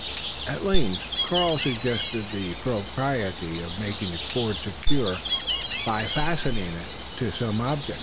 At length Karl suggested the propriety of making the cord secure, by fastening it to some object.